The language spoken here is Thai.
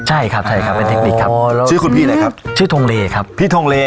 ใช่ครับใช่ครับเป็นเทคนิคครับชื่อคุณพี่เลยครับชื่อทงเลครับพี่ทงเล